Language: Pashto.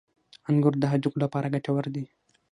• انګور د هډوکو لپاره ګټور دي.